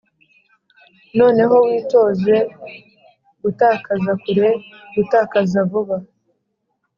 noneho witoze gutakaza kure, gutakaza vuba: